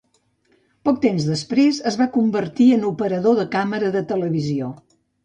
Poc temps després es va convertir en operador de càmera de televisió.